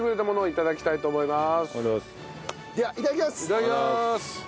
いただきます。